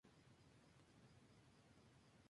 Por lo tanto, todo el gráfico restante está conectado.